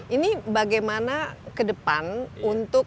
ini bagaimana ke depan untuk